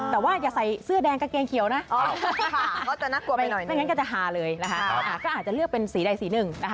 แต่ว่าอย่าใส่เสื้อแดงกางเกงเขียวนะไม่งั้นก็จะหาเลยก็อาจจะเลือกเป็นสีใดสีหนึ่ง